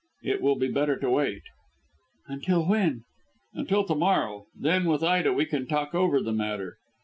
It will be better to wait." "Until when?" "Until to morrow. Then, with Ida, we can talk over the matter."